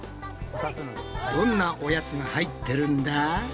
どんなおやつが入ってるんだ？